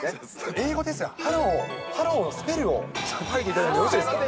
英語ですが、ハローのスペルを書いていただいてもよろしいですか。